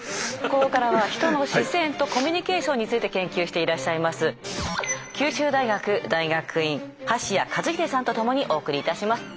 ここからはヒトの視線とコミュニケーションについて研究していらっしゃいます九州大学大学院橋彌和秀さんと共にお送りいたします。